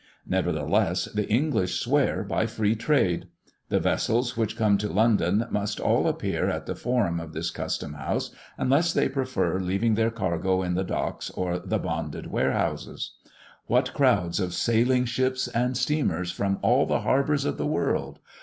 Nevertheless, the English swear by Free trade! The vessels which come to London must all appear at the forum of this Custom house, unless they prefer leaving their cargo in the docks or the bonded warehouses. What crowds of sailing ships and steamers from all the harbours of the world!